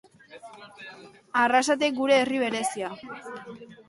Arrasate, gure herri berezia.